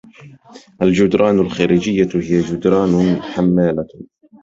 الجدران الخارجية هي جدران حمالة